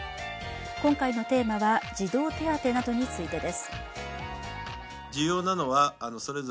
今回のテーマは児童手当などについてです。